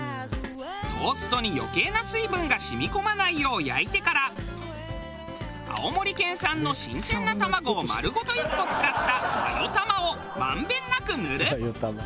トーストに余計な水分が染み込まないよう焼いてから青森県産の新鮮な卵をまるごと１個使ったマヨたまを満遍なく塗る。